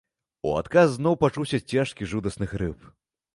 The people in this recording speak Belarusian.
У адказ зноў пачуўся цяжкі жудасны хрып.